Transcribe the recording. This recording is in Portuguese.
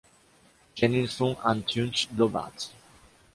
Genilson Antunes Lobato